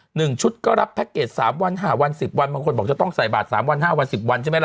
หนึ่งชุดก็รับแพ็กเกจ๓วัน๕วัน๑๐วันบางคนบอกจะต้องใส่บาท๓วัน๕วัน๑๐วันใช่ไหมล่ะ